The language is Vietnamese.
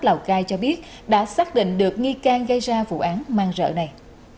lào cai cho biết đã xác định được nghi can gây ra vụ án man rợ này